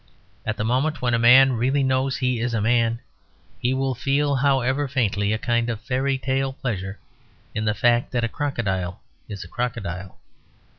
At the moment when a man really knows he is a man he will feel, however faintly, a kind of fairy tale pleasure in the fact that a crocodile is a crocodile.